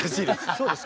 そうですか？